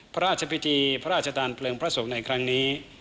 พระราชพิธีพระราชทานเพลิงพระสงฆ์ในครั้งนี้